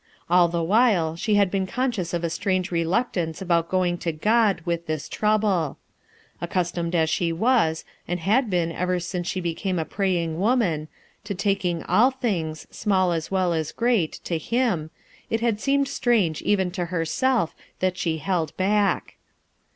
All the while she had been conscious of a strange reluctance about going to God with this trouble. Accustomed as she was, and had been ever since she became a praying woman, to taking all things, small as well as great, to Him, it had seemed strange even to herself that she held back.